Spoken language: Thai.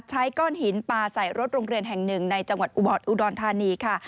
ใช้ก้อนหินปลาใส่รถโรงเรียนแห่งหนึ่งในจังหวัดอุบอร์ดอุดรธานีค่ะ